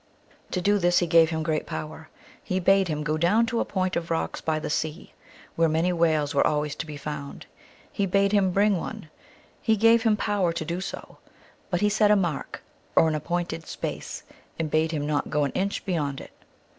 To do this he gave him great power. He bade him go down to a point of rocks by the sea, where many whales were always to be found. He bade him bring one ; he gave him power to do so, but he set a mark, or an appointed space, and bade him not go an inch beyond it.